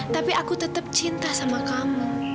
tapi aku tetap cinta sama kamu